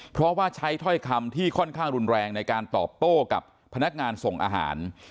เพราะว่าใช้ถ้อยคำที่ค่อนข้างรุนแรงในการตอบโต้กับพนักงานส่งอาหาร